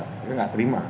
tapi gak terima